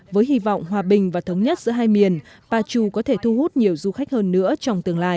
với hy vọng hòa bình và thống nhất giữa hai miền pachu có thể thu hút nhiều du khách hơn nữa trong tương lai